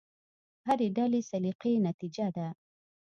هرې ډلې سلیقې نتیجه ده.